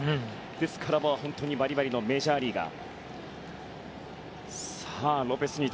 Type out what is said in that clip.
ですからバリバリのメジャーリーガー。